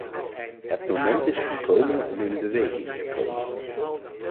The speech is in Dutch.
Het moment is gekomen om in beweging te komen.